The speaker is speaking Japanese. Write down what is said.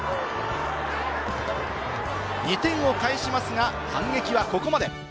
２点を返しますが、反撃ここまで。